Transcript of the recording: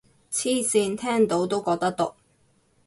黐線，聽到都覺得毒